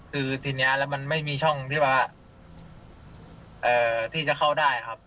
คือทีเนี้ยแล้วมันไม่มีช่องใช่ไหมครับเอ่อที่จะเข้าได้ครับ